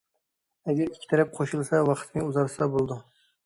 ئەگەر ئىككى تەرەپ قوشۇلسا ۋاقىتنى ئۇزارتسا بولىدۇ.